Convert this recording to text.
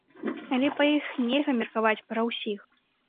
Але па іх нельга меркаваць пра усіх.